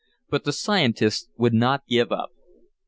But the scientist would not give up.